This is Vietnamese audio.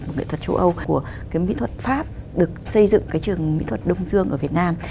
của nghệ thuật châu âu của cái mỹ thuật pháp được xây dựng cái trường mỹ thuật đông dương ở việt nam